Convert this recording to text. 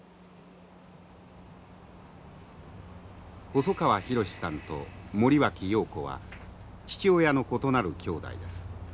細川浩史さんと森脇瑤子は父親の異なる兄妹です。